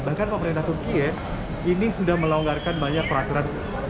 bahkan pemerintah turkiye ini sudah melonggarkan banyak peraturan